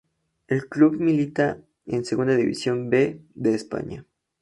El club milita en Segunda División B de España.